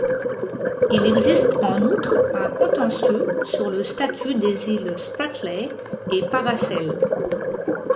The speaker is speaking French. Il existe en outre un contentieux sur le statut des îles Spratley et Paracel.